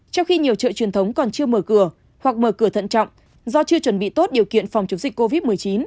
trong khi nhiều chợ truyền thống còn chưa mở cửa hoặc mở cửa thận trọng do chưa chuẩn bị tốt điều kiện phòng chống dịch covid một mươi chín